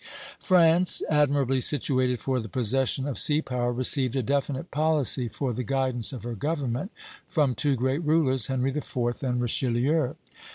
France, admirably situated for the possession of sea power, received a definite policy for the guidance of her government from two great rulers, Henry IV. and Richelieu.